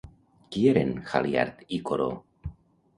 Qui eren Haliart i Coró?